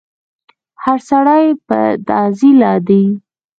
هر سړی په تعضيله دی